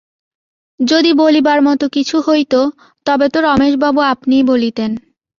যদি বলিবার মতো কিছু হইত, তবে তো রমেশবাবু আপনিই বলিতেন।